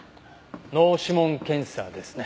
脳指紋検査ですね。